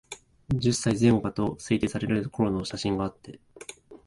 十歳前後かと推定される頃の写真であって、